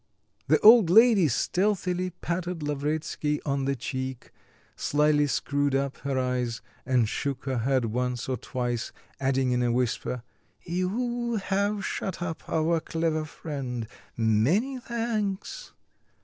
The old lady stealthily patted Lavretsky on the cheek, slyly screwed up her eyes, and shook her head once or twice, adding in a whisper, "You have shut up our clever friend, many thanks."